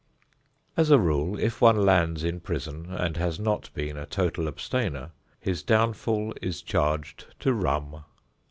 As a rule if one lands in prison and has not been a total abstainer, his downfall is charged to rum.